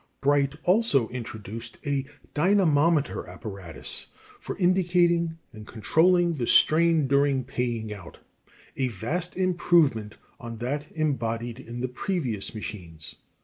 ] Bright also introduced a dynamometer apparatus for indicating and controlling the strain during paying out a vast improvement on that embodied in the previous machines.